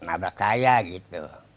abah kaya gitu